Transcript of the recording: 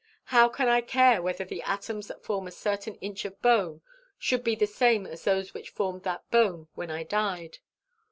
How can I care whether the atoms that form a certain inch of bone should be the same as those which formed that bone when I died?